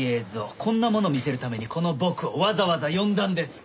こんなものを見せるためにこの僕をわざわざ呼んだんですか？